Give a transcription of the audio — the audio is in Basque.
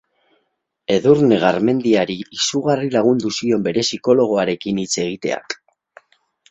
Edurne Garmendiari izugarri lagundu zion bere psikologoarekin hitz egiteak.